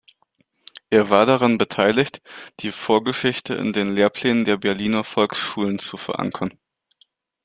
Er war daran beteiligt, die Vorgeschichte in den Lehrplänen der Berliner Volksschulen zu verankern.